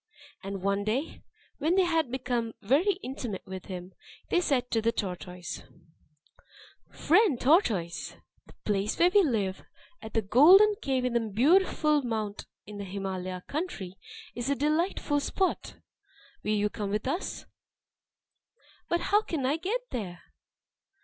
And one day, when they had become very intimate with him, they said to the tortoise: "Friend tortoise! the place where we live, at the Golden Cave on Mount Beautiful in the Himalaya country, is a delightful spot. Will you come there with us?" "But how can I get there?"